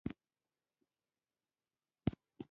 دولت د سوداګریزو توکو لېږد رالېږد لپاره بېړۍ فعالې کړې